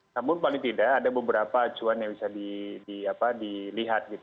namun paling tidak ada beberapa acuan yang bisa dilihat